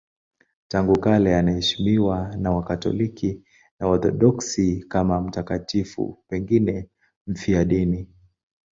Tangu kale anaheshimiwa na Wakatoliki na Waorthodoksi kama mtakatifu, pengine mfiadini.